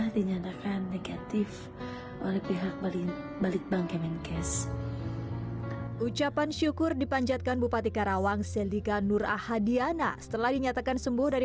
dianggur dipanjatkan bupati karawang selika nurah diana setelah dinyatakan sembuh dari